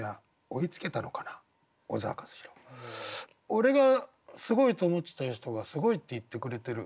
俺がすごいと思ってた人がすごいって言ってくれてる。